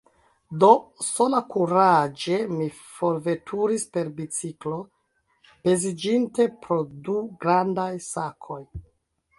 Do, sola, kuraĝe mi forveturis per biciklo, peziĝinta pro du grandaj sakoj.